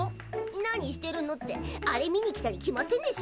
何してるのってあれ見に来たに決まってんでしょ。